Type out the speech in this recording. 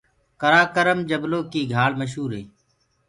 ڪرآڪرم جبلو ڪيٚ گھآݪ مشوُر هي۔